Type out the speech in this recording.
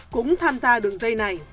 cũng tham gia đường dây này